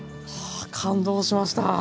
はあ感動しました！